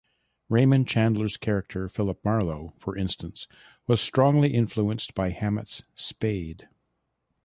Raymond Chandler's character Philip Marlowe, for instance, was strongly influenced by Hammett's Spade.